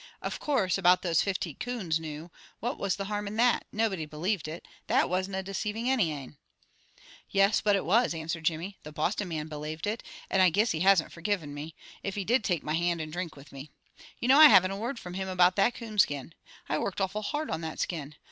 "Of course, about those fifty coons noo, what was the harm in that? Nobody believed it. That wasna deceiving any ane." "Yes, but it was," answered Jimmy. "The Boston man belaved it, and I guiss he hasn't forgiven me, if he did take my hand, and drink with me. You know I haven't had a word from him about that coon skin. I worked awful hard on that skin.